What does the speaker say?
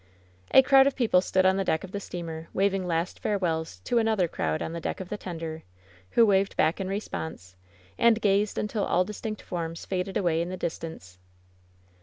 A crowd of people stood on the deck of the steamer, waving last farewells to another crowd on the deck of the tender, who waved back in response, and gazed until all distinct forms faded away in the distance.